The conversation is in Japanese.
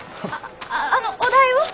あのお代を！